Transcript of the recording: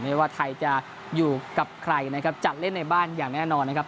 ไม่ว่าไทยจะอยู่กับใครนะครับจัดเล่นในบ้านอย่างแน่นอนนะครับ